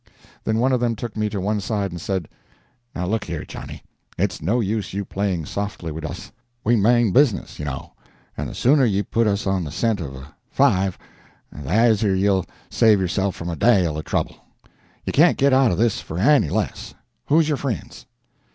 Then one of them took me to one side and said: "Now look here, Johnny, it's no use you playing softly wid us. We mane business, ye know; and the sooner ye put us on the scent of a V, the asier yell save yerself from a dale of trouble. Ye can't get out o' this for anny less. Who's your frinds?"